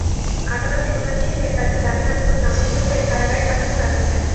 আদালত শুনানি শেষে তাঁদের জামিন আবেদন নামঞ্জুর করে কারাগারে পাঠানোর আদেশ দেন।